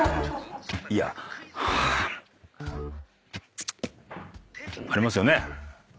いや。ありますよね？